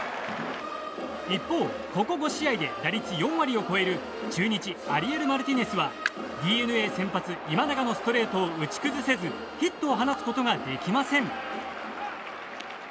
一方、ここ５試合で打率４割を超える中日、アリエル・マルティネスはＤｅＮＡ先発、今永のストレートを打ち崩せずヒットを放つことができません。